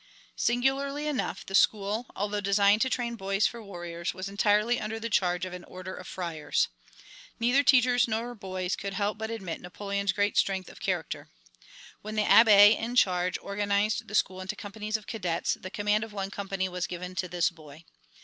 Singularly enough the school, although designed to train boys for warriors, was entirely under the charge of an order of Friars. Neither teachers nor boys could help but admit Napoleon's great strength of character. When the Abbé in charge organized the school into companies of cadets the command of one company was given to this boy.